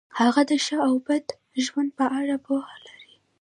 هغه د ښه او بد ژوند په اړه پوهه لري.